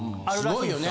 すごいよね。